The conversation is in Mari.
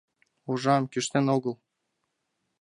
— Ужам, кӱштен огыл.